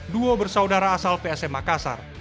duo bersaudara asal psm makassar